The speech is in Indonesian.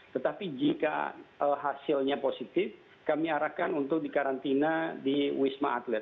tetapi jika hasilnya positif kami arahkan untuk dikarantina di wisma atlet